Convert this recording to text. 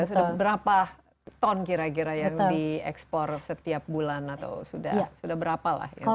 sudah berapa ton kira kira yang diekspor setiap bulan atau sudah berapa lah